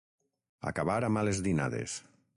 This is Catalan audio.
Acabar a males dinades.